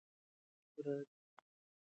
راځئ چې د ده ملاتړ وکړو.